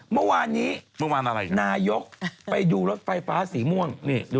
เมื่อวานนี้นายกไปดูรถไฟฟ้าสีม่วง